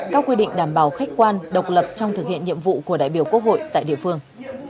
các quy định đảm bảo khách quan độc lập trong thực hiện nhiệm vụ của đại biểu quốc hội tại địa phương